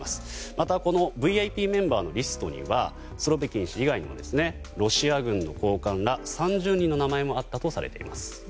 またこのＶＩＰメンバーのリストにはスロビキン氏以外にもロシア軍の高官ら３０人の名前もあったとされています。